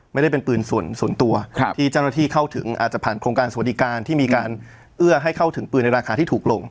ไม่ได้เป็นปืนส่วนตัวที่เจ้าหน้าที่เข้าถึงอาจจะผ่านโครงการสวัสดิการที่มีการเอื้อให้เข้าถึงปืนในราคาที่ถูกลง